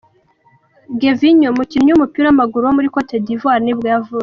Gervinho, umukinnyi w’umupira w’amaguru wo muri Cote D’ivoire nibwo yavutse.